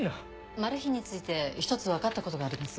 マルヒについて１つ分かったことがあります。